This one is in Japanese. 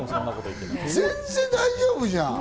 全然大丈夫じゃん。